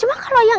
ini kalau aa